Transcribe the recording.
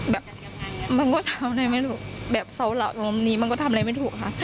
แบบมันก็ทำอะไรไม่ถูกแบบสาวหลักตรงนี้มันก็ทำอะไรไม่ถูกค่ะ